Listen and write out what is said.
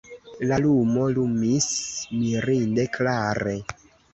La luno lumis mirinde klare.